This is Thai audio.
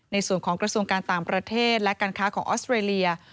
ในส่วนของกระทรวงการต่างประเทศและการค้าของออสเตรเลีย